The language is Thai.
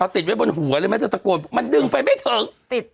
เอาติดไว้บนหัวเลยมันจะตะโกนมันดึงไปไม่ถึง